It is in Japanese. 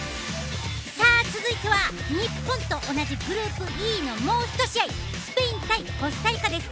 続いては日本と同じグループＥのもう１試合スペイン対コスタリカです。